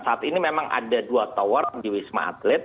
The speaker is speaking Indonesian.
saat ini memang ada dua tower di wisma atlet